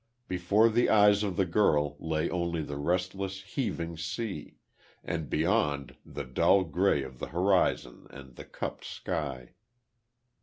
Before the eyes of the girl lay only the restless, heaving sea. and beyond the dull gray of the horizon and the cupped sky.